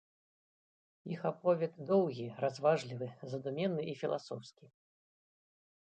Іх аповед доўгі, разважлівы, задуменны і філасофскі.